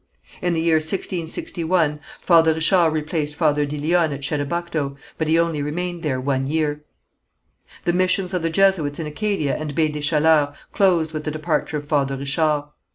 In the year 1661, Father Richard replaced Father de Lyonne at Chedabucto, but he only remained there one year. The missions of the Jesuits in Acadia and Baie des Chaleurs closed with the departure of Father Richard.